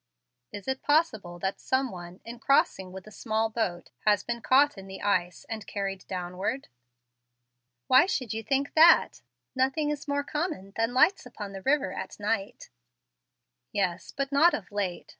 Is it possible that some one, in crossing with a small boat, has been caught in the ice and carried downward?" "Why should you think that? Nothing is more common than lights upon the river at night." "Yes, but not of late.